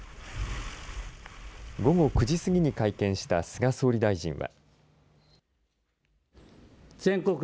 午後９時すぎに会見した菅総理大臣は。